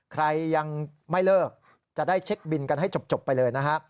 ใครยังไม่เลิกจะได้เช็คบินกันให้จบไปเลยนะฮะ